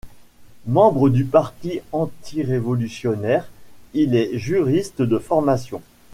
Membre du Parti antirévolutionnaire, il est juriste de formation.